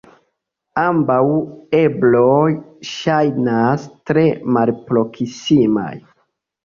Ambaŭ ebloj ŝajnas tre malproksimaj.